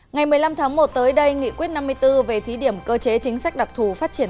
ngày một mươi năm tháng một tới đây nghị quyết năm mươi bốn về thí điểm cơ chế chính sách đặc thù phát triển